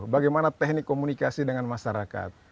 bagaimana teknik komunikasi dengan masyarakat